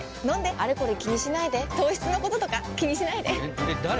あれこれ気にしないで糖質のこととか気にしないでえだれ？